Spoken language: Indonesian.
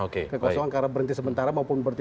kekosongan karena berhenti sementara maupun berhenti